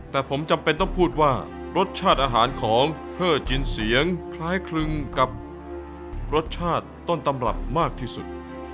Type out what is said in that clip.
แต่ผมจำเป็นต้องพูดว่ารสชาติอาหารของเฮอร์จินเสียงคล้ายคลึงกับรสชาติต้นตำรับมากที่สุด